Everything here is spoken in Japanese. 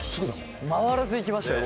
回らずいきましたよ